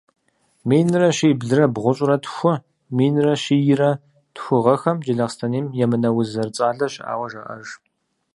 Минрэ щиблрэ бгъущӀрэ тху-минрэ щийрэ тху гъэхэм Джылахъстэнейм емынэ уз зэрыцӀалэ щыӀауэ жаӀэж.